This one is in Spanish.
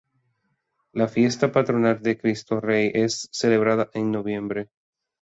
La fiesta patronal Cristo Rey es celebrada en noviembre.